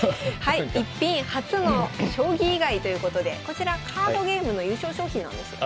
「逸品」初の将棋以外ということでこちらカードゲームの優勝賞品なんですよね。